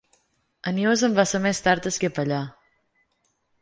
Anius en va ser més tard el capellà.